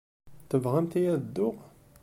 Tebɣamt-iyi ad dduɣ?